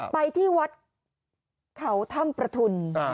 ไปที่วัดเขาถ้ำประทุน